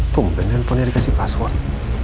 tunggu handphone nya dikasih password